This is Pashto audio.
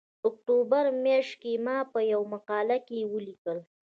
اکتوبر میاشت کې ما په یوه مقاله کې ولیکل